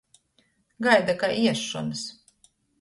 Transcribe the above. Gaida kai iesšonys.